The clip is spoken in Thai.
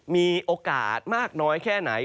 มีโอกาสมากน้อยแค่ไหน